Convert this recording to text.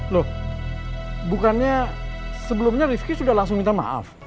loh bukannya sebelumnya rizky sudah langsung minta maaf